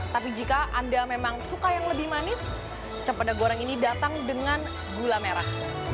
tapi jika anda memang suka yang lebih manis cempeda goreng ini datang dengan gula merah